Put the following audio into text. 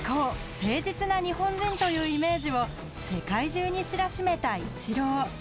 誠実な日本人というイメージを世界中に知らしめたイチロー。